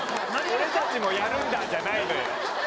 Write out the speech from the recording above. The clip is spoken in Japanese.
俺たちもやるんだじゃないのよ。